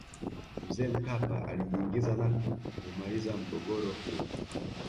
mzee mkapa alijiingiza na kuumaliza mgogoro huo